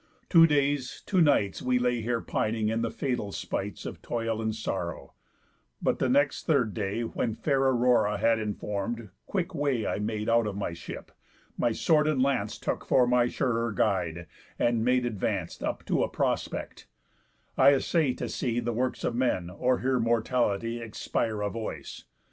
Two days, two nights, We lay here pining in the fatal spights Of toil and sorrow; but the next third day When fair Aurora had inform'd, quick way I made out of my ship, my sword and lance Took for my surer guide, and made advance Up to a prospect; I assay to see The works of men, or hear mortality Exspire a voice.